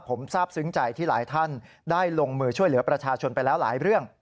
ผมทราบซึ้งใจที่หลายท่านได้ลงมือช่วยเหลือประชาชนไปแล้วหลายเรื่อง